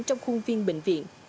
trong khu viên bệnh viện